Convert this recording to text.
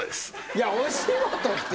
いやお仕事って。